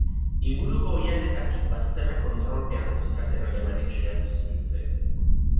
Inguruko oihanetatik bazterrak kontrolpean zeuzkaten alemanek xehatu zituzten.